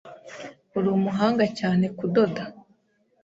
Urumuhanga cyane kudoda.